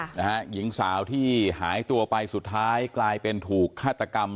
นะฮะหญิงสาวที่หายตัวไปสุดท้ายกลายเป็นถูกฆาตกรรม